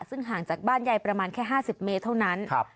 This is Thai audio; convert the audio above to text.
ซึ่งห่างจากบ้านยายประมาณแค่๕๐เมตรเท่านั้น